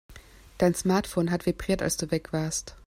Dein Smartphone hat vibriert, als du weg warst.